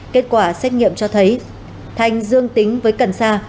kết quả xét nghiệm cho thấy thanh dương tính với cần sa